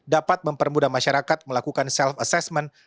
dapat mempermudah masyarakat melakukan self assessment